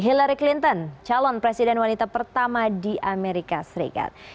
hillary clinton calon presiden wanita pertama di amerika serikat